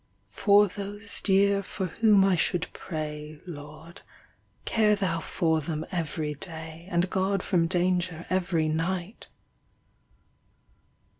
For those dear for whom I should pray, Lord, care Thou for them every day, And guard from danger every night.'